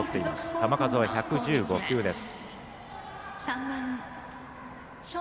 球数は１１５球です。